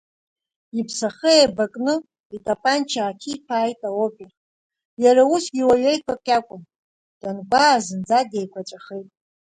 Иԥсахы еибакны итапанча ааҭиԥааит аопер, иара усгьы уаҩы еиқәак иакәын, дангәаа зынӡа деиқәаҵәахеит.